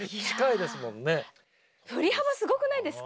振り幅すごくないですか？